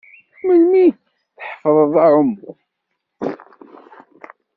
Melmi i tḥefḍeḍ aɛummu?